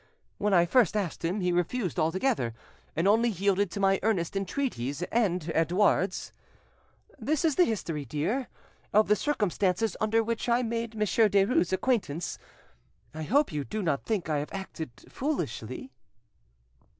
When I first asked him, he refused altogether, and only yielded to my earnest entreaties and Edouard's. This is the history, dear, of the circumstances under which I made Monsieur Derues' acquaintance. I hope you do not think I have acted foolishly?"